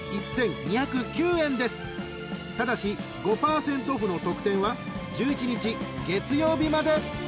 ［ただし５％オフの特典は１１日月曜日まで］